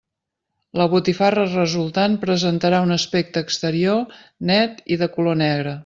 La botifarra resultant presentarà un aspecte exterior net i de color negre.